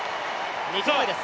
２投目です。